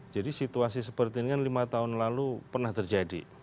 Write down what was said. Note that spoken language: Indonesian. jadi situasi seperti ini kan lima tahun lalu pernah terjadi